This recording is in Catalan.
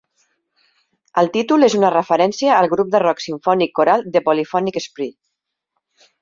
El títol és una referència al grup de rock simfònic coral The Polyphonic Spree.